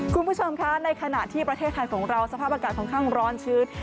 คุณผู้ชมคะในขณะที่ประเทศไทยของเราสภาพอากาศค่อนข้างร้อนชื้น